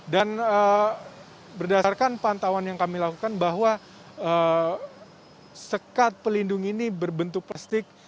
dan berdasarkan pantauan yang kami lakukan bahwa sekat pelindung ini berbentuk plastik